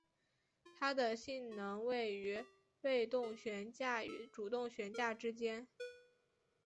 它的性能介于被动悬架与主动悬架之间。